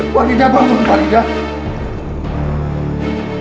faridah bangun faridah